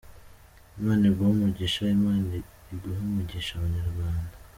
Imana iguhe umugisha, Imana ihe umugisha abanyarwanda.